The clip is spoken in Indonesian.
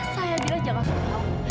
saya bilang jangan salah tahu